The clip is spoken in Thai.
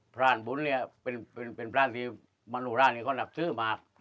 รานบุญเนี่ยเป็นพระที่มนุราชนี่เขานับถือมาก